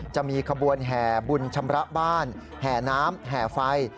จะมีขบวนแห่บุญชำระบ้านแห่น้ำแห่ไฟ